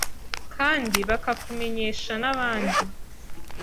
kandi bakakumenyesha n’abandi.